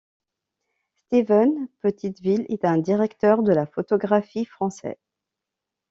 Steeven Petitteville est un directeur de la photographie français.